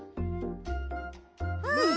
うん！